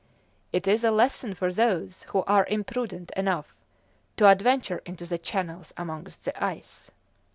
"It is a lesson for those who are imprudent enough to adventure into the channels amongst the ice!"